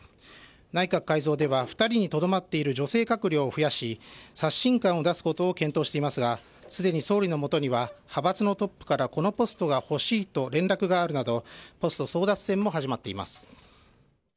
内閣改造では、２人にとどまっている女性閣僚を増やし、刷新感を出すことを検討していますが、すでに総理のもとには、派閥のトップからこのポストが欲しいと連絡があるなど、ポスト争奪戦も始まっています。